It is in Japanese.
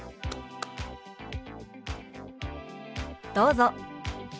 どうぞ。